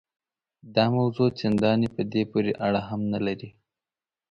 دا موضوع چنداني په دې پورې اړه هم نه لري.